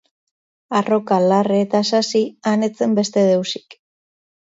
Arroka, larre eta sasi; han ez zen beste deusik.